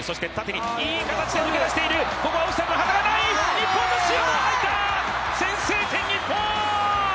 日本のシュート入った、先制点、日本！